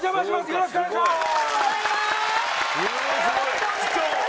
よろしくお願いします！